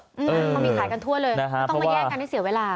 เพราะมีขายกันทั่วเลยไม่ต้องมาแยกกันให้เสียเวลา